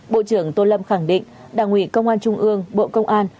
bộ trưởng tô lâm khẳng định đảng ủy công an trung ương bộ công an